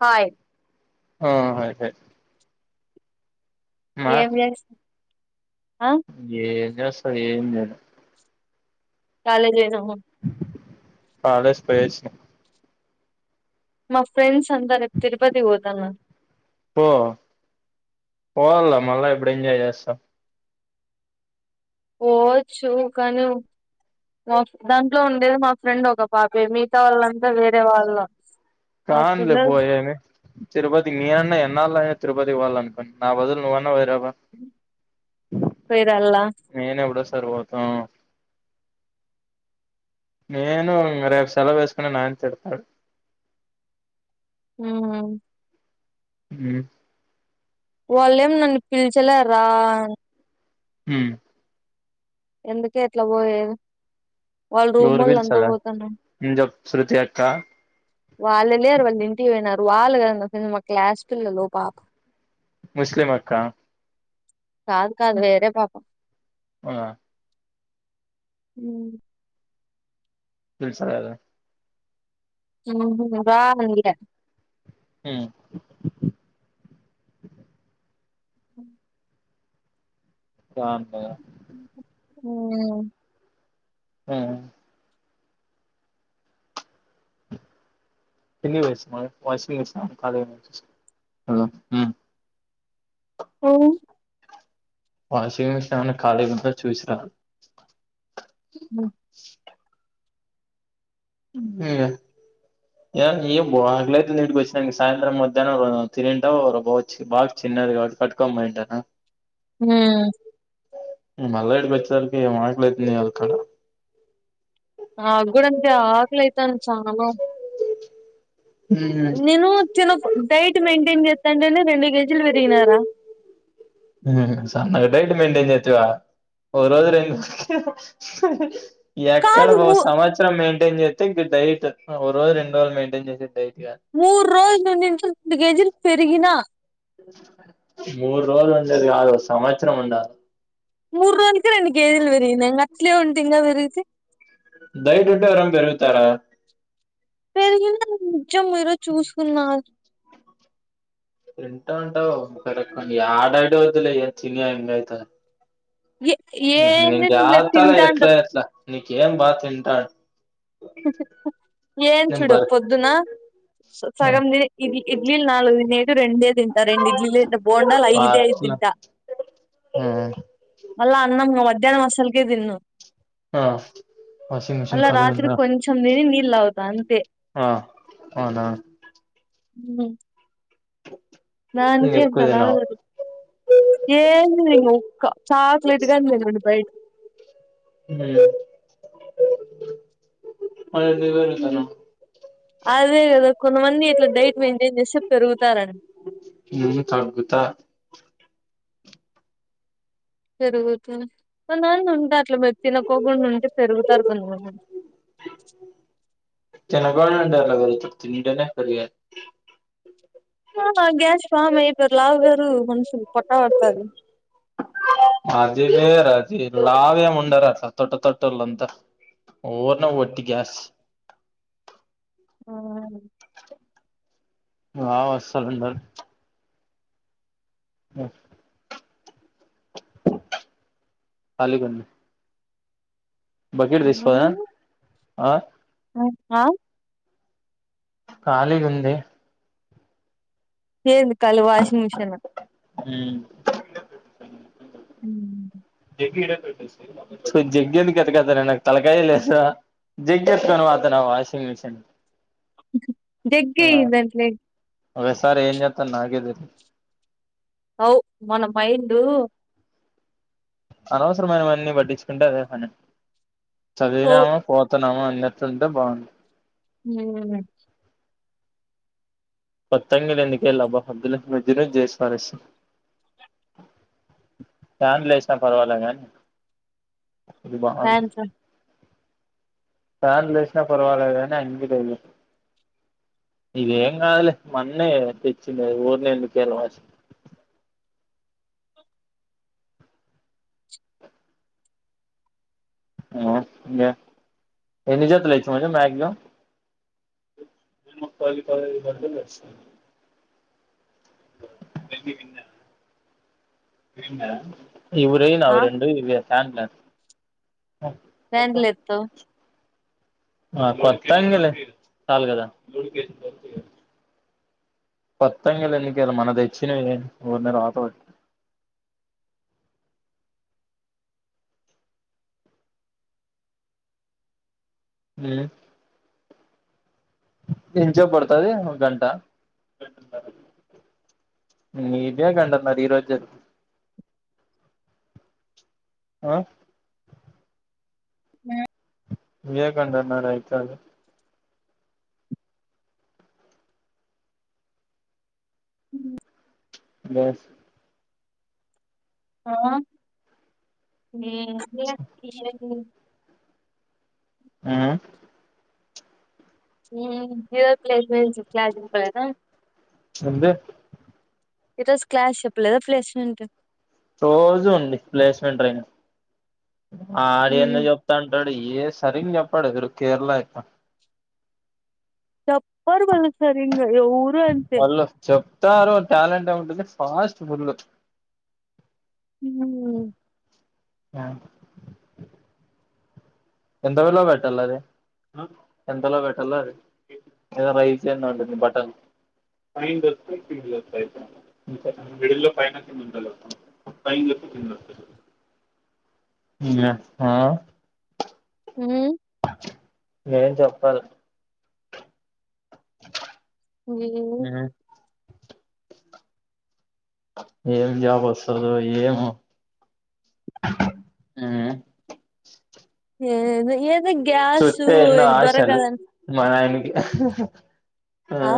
Hi ఆ hi hi ఏం చేస్ ఏం చేస్తా ఏం లేదు, కాలేజ్ లేదేమో కాలేజ్ పోయివచ్చిన, మా ఫ్రెండ్స్ అంత రేపు తిరుపతి పోతున్నా, పో పోవల మళ్ళా ఎప్పుడు ఎంజాయ్ చేస్తాం, పోవొచ్చు కానీ మా దాంట్లో ఉండేది మా ఫ్రెండ్ ఒక పాపే మిగతా వాళ్ళంతా వేరే వాళ్ళు, ఆ కాంది పిల్ల పోయేది, తిరుపతి మీ అన్నా ఎన్నా తిరుపతికి పోవాల అనుకో నా బదులు నువ్వ ఫర అలా నేను ఎవప్పుడ సారి పోతాం నేను రేపు సెలవు వేసుకుని నాయన తిడతాడు హ హ వాళ్ళేం నన్ను పిల్చలే రా హ ఎందుకట్లా పోయే వాళ్ళ రూమ్ ఎవరు వల్ల ఎంతా పిలిచాలే పోతారండి మ్మ్ చెప్పు శృతి అక్క వాళ్ళు లేరు వాళ్ళు ఇంటికి పోయినారు వాళ్ళు కద మా క్లాస్ టూల లో పాప ముస్లిం అక్క కాదు కాదు వేరే పాపం ఆ అ తె సర అద రాా అందిర అ అ రాన్నా అ ఆ ఎ వ మ వ వ క అవు వాషింగ్ మిషిన్ ఏమన్నా ఖాళీ ఉంద చూసిరా బ అ ఏ నయ బాగలై నింకి వచ్చిన సాయంత్ర మధ్యాహ్న తిినంటా బ బా చి కట్టుకోమయింట హ మళ్ళ ఇటీకి వచ్చేదాలికే ఏం ఆకలి అతుందో ఇయ్యాలికదా ఆ కూడా అంతే ఆకలితంది చాన నేను చిన్న డైట్ మెయింటైన్ చేస్తాంని రెండు కేజీలు విరిగినారా డైట్ మెయిన్ చేతువా వజరుెం ఎక్కడ కాదు ఒక మూ సంవత్సరం మెయింటైన్ చేస్తే ఇం డైట్ రోజు రెండు రోజులు మెయింటైన్ చేసేది డైట్ కాదు మూరు రోజులు ను రెండు కేజీలు పెరిగిన మూడు రోజులు ఉండది కాదు సంవత్సరం ఉండ మూడు రకి రెన్ని కే ఏజీలు వెరింది అట్లే ఉంటీంగా వెరిది దయ డ అరం పెరుగుతారా పెరిగిిన నించం మీరు చూసుకున్నారు తంటా ఉంటావు ఒక రక ఆడాడ వద్దులేయ తిన ఇం అయితే ఏ ఏంది తినలే జతలా తింటాంట ఎట్లా ఎట్లా నీకేం బా తింటాను ఏం నేను చూడు బర్ పొద్దునా సగం ద ఇడ్లీ ఇడ్లీలి నాలుగు దినేదు రెండే తింతా రెండ్ ఇడ్లీలి బోండాల్ ఐదే అట్లా తింట మళ్ళా అన్నం మధ్యాహ్నం అస్సలకే తిన్నాను ఆ వాషింగ్ మీషిన్ ఖాాలీ ఇ నీల్ అవుతాంత ఆ అవునా హ న అకంట ఎక్కువ నా తినవు ఏంది నేను ఒక్క చాక్లెట్ గాని తినను బయట హ్మ్ నువ్వు ఏం ఉమ్. చేత్తన్నావ్ అదే కదా కొంతమంది ఇట్లా డైట్ మెయింటైన్ చేస్తే పెరుగుతారని చంపుతా పెరుగుతే కొంతమంది ఉంటారు అట్లా మీరు తినకోకుండావుంటే పెరుగుతారు కొంతమంది. తినకోకుండా ఉంటే ఎట్ల పెరుగుతారు తింటేనే పెరిగేది ఆ మళ్ళి గ్యాస్ ఫామ్ అయిపోయిరు లావు గారు మనుషులు పొట్ట పడ్తాది అది వేరు అది లావేముండరు అట్లా తొట్ట తొట్టేలంతా ఓర్నే వట్టి గ్యాస్ ఆన్ మా పాప అస్సల్ ఉండదు హ అలిగింది బకెట్ తీసుపోదునా ఆ ఉహా ఖాళీగుంది ఏంది కాలి వాషింగ్ మిషన్ హుమ్ అన్నీ ఉంటాయ్ అసల్ జగ్గెందుకు ఎతుకోతన్నర్ తలకాయే లేద్ స జెగ్గేతుకొని పోతన్న వాషింగ్ మిషన్ జెగ్గిమన్లే ఒక్కో సారీ ఏమ్ చెప్తాన్ నాకే తెలీదు ఔ మన మైండు అనవసరమైనవన్నీ పట్టించుకుంటే అదే పని ఓ చదివినామా పోతున్నామా అట్లూంటే బాగు హుమ్ మరి కొత్తగా రెండు కేజీ లు అబ్బా వద్దులే నుజ్జు నుజ్జు జేసీ పారెస్త ఫ్యాన్ లేసిన పరవలే గానీ బా థ్యాంక్స్ ఫ్యాన్ లేసిన పరవాలే గానీ [unintelligible] ఇవేం కాదులే మొన్నే తెచ్చింది ఊర్నే ఎందుకరవాసి ఆ లే ఎన్ని జతలు తెచినావ్ లే మాక్సిమం ఓ పది పదైదు జతలు తెచ్చినా వెళ్లి విన్న ఇవ్రే ఆ నావి రెండు ఇవి [unintelligible] నాన్ లెప్తవ్ ఆ కొత్తంగిలే సాల్ కదా కొత్తంగిలు ఎందుకియ్యల మొన్న తెచ్చిన ఒక దాని తర్వాత ఒకటి హ్మ్ ఎన్షొప్ పడతాది ఒక గంట నీతో గంటన్నర ఈరోజ్ చెప్ ఆ ఉ ఈడే గంటన్నారా అయితాది హ్మ్ బస్ ఆ ఏం లేద్ [unintelligible] ఆ ఉమ్ జీరో ప్లేస్మెంట్స్ క్లాస్ చెప్పలేదా ఎంది ఈ రోజు క్లాష్ చెప్పలేదా ప్లేస్మెంట్ రోజు ఉండి ప్లేస్మెంట్ రీ ఆడ్ ఏందో చెప్తంటాడు ఏ సరింగ చెప్పడురు కేరళ ఆయ్పా చెప్పర్ వాల్ సరింగ ఎవ్వరూ అంతే తారు టాలెంట్ ఏమో ఉంటున్ది ఫాస్ట్ ఫుల్ ఉమ్ ఆ ఎంత వెేళ బ పెట్టాలది ఎంతలో పెట్టాల అది ఏదో రైస్ అన్న ఉంటుంది బటన్ పైన దొరికితే కింద దొరుకుతది మిడిల్ లో పైనా కింద ఉండదు ఉమ్ ఆ ఉమ్ ఏం చెప్పాల ఉమ్ ఏం జాబ్ వస్సదో ఏమో ఏది ఎద్ చెప్పే ఎన్నో ఆశలు మా నాయనకి ఆ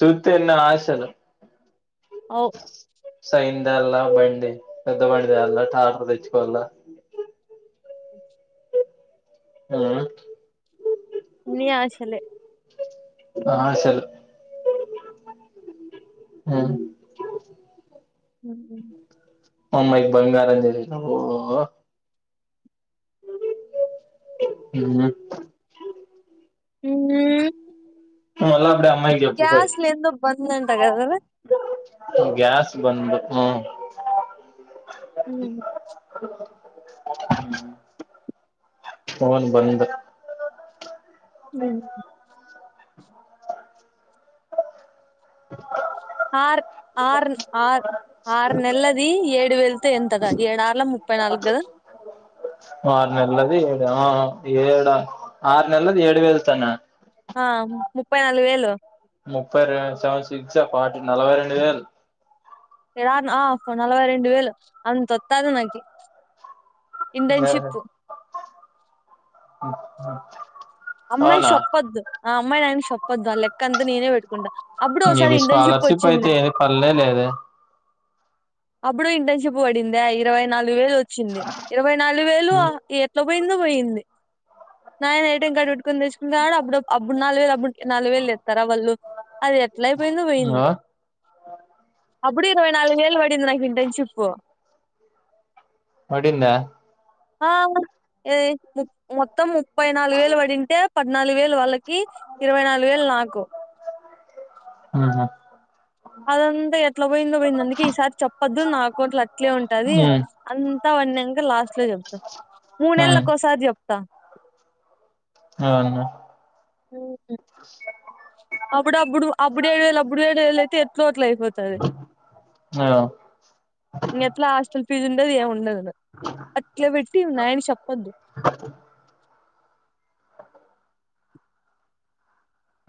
చెప్తే ఎన్నో ఆశలూ అవ్ సైంద అలా బండి పెద్ద బండి దాల్లా టాటర్ వ ఉమ్ అన్నీ ఆశలే ఆశలు ఉమ్ ఉమ్ అమ్మా య్ కి బంగారం చూపించిన ఓ ఉమ్ ఉమ్మ్ మల్లా అప్పుడే అమ్మాయ్ కి జెప్పు పోయ్ బంద్ అంట కదరా తు గ్యాస్ బంద్ ఉమ్ ఉమ్ ఫోన్ బంద్ ఉమ్ ఆర్ ఆర్న్ ఆర్ ఆరు నెల్లది ఏడు వెళతో ఎంతదా ఏడు ఆర్ల ముప్పై నాలుగు కదా ఆరు నెల్లది ఏడు ఆ ఏడ ఆ ఆరు నెల్లది ఏడు వెళ్తోనా ఆ ముప్పై నాలుగు వేలు ముప్పై రే సెవెన్ సిక్స్ జ ఫార్టీ నలవై రెండు వేలు ఎన ఆర్ నా నలవై రెండు వేలు అంతొత్తది నాకి ఇంటెన్షిప్ [unintelligible] అమ్మాయికి అవునా షేప్పద్దు ఆ అమ్మాయి నాన్న కి షేప్పొద్దు ఆ లెక్కంతా నేనే పెట్టుకుంటా. అప్పుడే ఒసారి ఇది ఇంటెన్షిప్ స్కాలర్షిప్ అయితే వచ్చింది. ఏది పల్లే లేదే అప్పుడు ఇంటెన్షిప్ వడిందా ఇరవై నాలుగు వేలు ఓ చ్చింది ఇరవై నాలుగు వేలు ఎట్ల పోయిందో పోయింది. నాయన ఏటీఎం కార్డు పెట్టుకొని తెచ్చుకుంటన్నాడు. అబ్బుడు, అబ్బుడు నాలుగు వేలు అబ్బు నాలుగు వేల్ తెత్తారా వాళ్ళు అది ఎట్ల అయిపోయిందో పోయింది. ఆ అబ్బుడు ఇరవై నాలుగు వేలు వడింది నాకు ఇంటెన్షిప్. పడింద ఆ. ఏ ముప్ మొత్తం ముప్పై నాలుగు వేలు పడింటే, పద్నాలుగు వేలు వాళ్ళక్ కీ ఇరవై నాలుగు వేలు నాకు. మ్హు అదంతా ఎట్ల పోయిందో పోయింది. అందుకే, ఈసారి చెప్పద్దు నా అకౌంట్ల అట్లే ఉంటది. ఉమ్ అన్ త పడినంక లాస్ట్ లో చెప్తా. ఉమ్ మూనెల్లకోసారి చెప్తా. అవునా మ్ ఉ అబ్బుడబ్బుడు అబ్బుడు ఏడు వేలు అబ్బుడు ఏడు వెలు అయితే ఎట్లో అ అట్లయిపోతాది. ఆ ఇంగెట్లా హాస్టల్ ఫీజు ఉండదు. ఏం ఉండదు. అట్లే పెట్టి ఉన్నాయని చెప్పద్దు.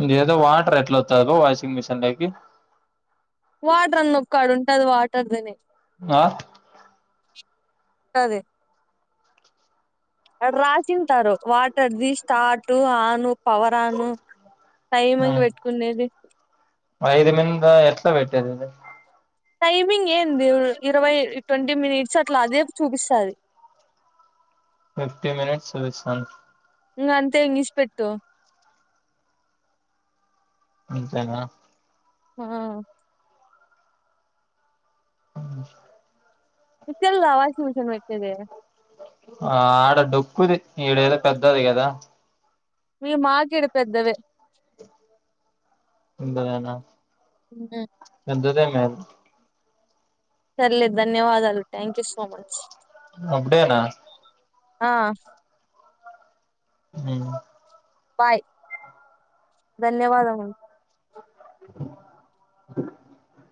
ఇదేదో వాటర్ ఎట్లొత్తాయి పా వాషింగ్ మిషిన్ లేకి వాటర్ అని నొక్కు ఆడ ఉంటాది వాటర్ దని దా టాది అడ రాసింటారు. వాటర్ది, స్టార్ట్, ఆను, పవర్ ఆను టైమింగ్ మ్. పెట్టుకునేది ఐదు మింద ఎట్ల పెట్టేదిది? టైమింగ్ ఏంది ఇరవై ట్వంటీ మినిట్స్ అట్లా అదే చూపిస్తాది. ఫిఫ్టీ మినిట్స్ చూపిస్తాంది. ఇంగంతే ఇంగ ఇడిసిపెట్టు. అంతేనా! ఆ మ్ నీక్ తెల్దా వాషింగ్ మెషిన్ పెట్టేది. ఆ ఆడ డొక్కుది. ఈడ ఏదో పెద్దది కదా! మీ మాకీడ పెద్దవె. పెద్దవేన మ్ ఎంతసేపు మే అది పర్లేదు ధన్యవాదాలు. Thank you so much. అప్పుడేనా ఆ హ్మ్ బాయ్ ధన్యవాదములు.